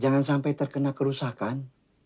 jangan sampai terkena kerusakan